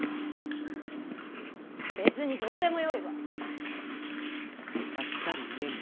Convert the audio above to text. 別にどうでもよいわ。